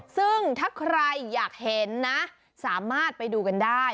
ซึ่งถ้าใครอยากเห็นนะสามารถไปดูกันได้